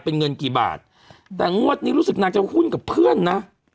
เป็นเงินกี่บาทแต่งวดนี้รู้สึกนางจะหุ้นกับเพื่อนนะ